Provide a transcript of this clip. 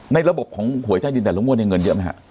ในระบบของหวยใต้ดินแต่ละงวดเนี่ยเงินเยอะไหมฮะ